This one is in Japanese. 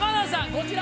こちら！